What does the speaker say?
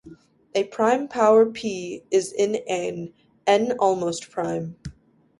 A prime power "p" is an "n"-almost prime.